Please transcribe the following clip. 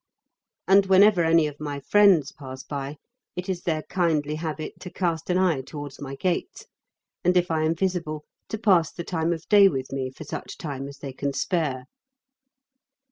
And whenever any of my friends pass by, it is their kindly habit to cast an eye towards my gate, and, if I am visible, to pass the time of day with me for such time as they can spare.